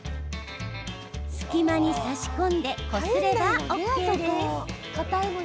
隙間に差し込んでこすればＯＫです。